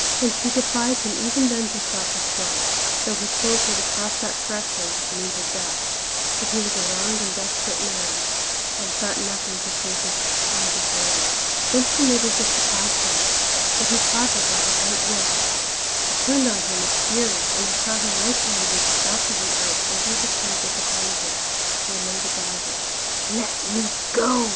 And she defied him even then to stop her flight, though he told her to cross that threshold would mean her death; for he was a wronged and desperate man and thought of nothing save his own dishonour. Then she made as if to pass him, but he caught her by her white wrist; she turned on him with fury, and I saw her right hand reach stealthily out over the table behind her, where lay the dagger. "Let me go!"